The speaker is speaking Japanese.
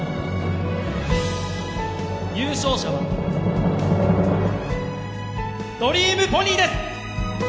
優勝者はドリームポニーです！